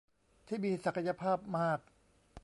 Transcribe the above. ที่มีศักยภาพมาก